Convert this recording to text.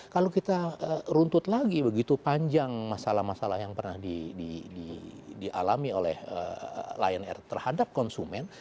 kalau kita runtut lagi begitu panjang masalah masalah yang pernah dialami oleh lion air terhadap konsumen